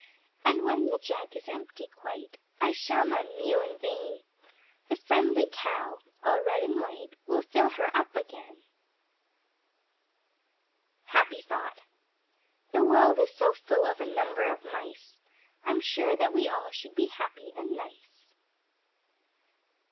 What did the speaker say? And when the Jug is empty quite, I shall not mew in vain, The Friendly Cow, all red and white, Will fill her up again. Happy Thought The world is so full of a number of Mice I'm sure that we all should be happy and nice.